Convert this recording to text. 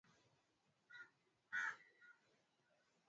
Na utukufu na hesima ni wewe.